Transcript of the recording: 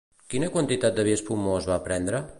Quina quantitat de vi espumós va prendre?